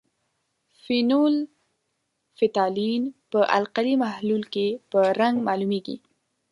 فینول فتالین په القلي محلول کې په رنګ معلومیږي.